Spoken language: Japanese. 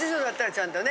ちゃんとね。